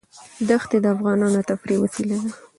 دښتې د افغانانو د تفریح وسیله ده.